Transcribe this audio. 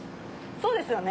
そうですよね。